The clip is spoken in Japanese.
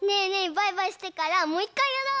バイバイしてからもういっかいやろう！